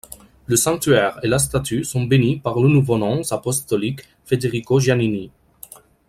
Le sanctuaire et la statue sont bénits par le nouveau nonce apostolique Federico Giannini.